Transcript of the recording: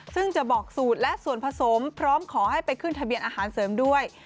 ซึ่งจะบอกสูตรและส่วนผสมพร้อมขอให้ไปขึ้นทะเบียนอาหารเสริมด้วย